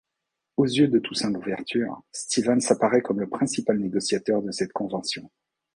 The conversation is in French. Aux yeux de Toussaint Louverture, Stevens apparait comme le principal négociateur de cette convention.